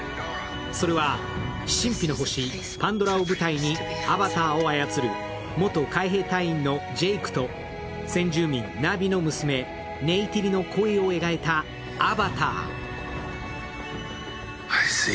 それは、神秘の星パンドラを舞台にアバターを操る元海兵隊員のジェイクと先住民ナヴィの娘、ネイティリの恋を描いた「アバター」。